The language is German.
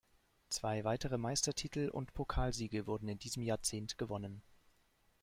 Zwei weitere Meistertitel und Pokalsiege wurden in diesem Jahrzehnt gewonnen.